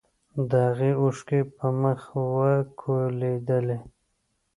د هغې اوښکې په مخ وکولېدلې.